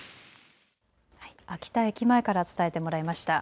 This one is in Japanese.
秋田駅前から伝えてもらいました。